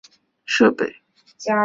各层楼皆装设火灾自动警报设备。